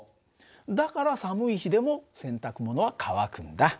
だから寒い日でも洗濯物は乾くんだ。